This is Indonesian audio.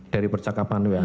dari percakapan wa